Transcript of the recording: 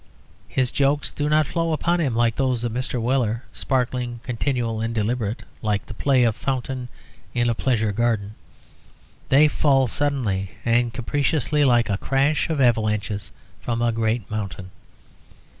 His jokes do not flow upon him like those of Mr. Weller, sparkling, continual, and deliberate, like the play of a fountain in a pleasure garden; they fall suddenly and capriciously, like a crash of avalanches from a great mountain.